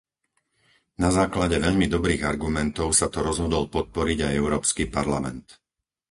Na základe veľmi dobrých argumentov sa to rozhodol podporiť aj Európsky parlament.